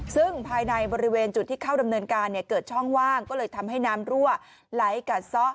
ซึ่งภายในบริเวณจุดที่เข้าดำเนินการเกิดช่องว่างก็เลยทำให้น้ำรั่วไหลกัดซะ